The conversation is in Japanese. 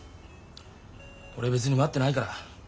俺別に待ってないから。